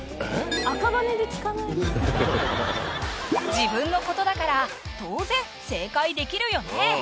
自分のことだから当然正解できるよね？